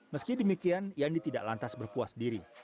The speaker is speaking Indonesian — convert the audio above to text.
meski demikian yandi tidak lantas berpuas diri